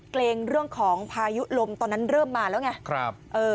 เกรงเรื่องของพายุลมตอนนั้นเริ่มมาแล้วไง